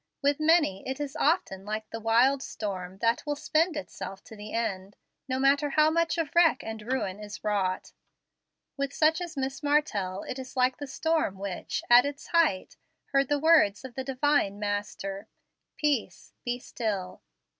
With many it is often like the wild storm that will spend itself to the end, no matter how much of wreck and ruin is wrought. With such as Miss Martell, it is like the storm which, at its height, heard the words of the Divine Master, "Peace, be still."